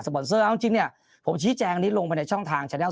สปอร์เซอร์เอาจริงเนี่ยผมชี้แจงนี่ลงเป็นช่องทางเฉญแนว